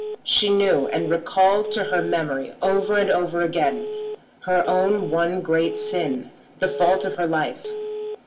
She knew and recalled to her memory over and over again her own one great sin, the fault of her life.